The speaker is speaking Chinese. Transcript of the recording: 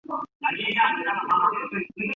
宋玉生公园是位于澳门新口岸的公园。